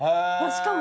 しかも。